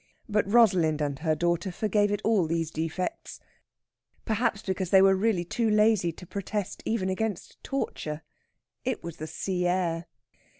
But Rosalind and her daughter forgave it all these defects perhaps because they were really too lazy to protest even against torture. It was the sea air.